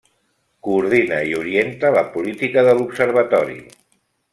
Coordina i orienta la política de l'Observatori.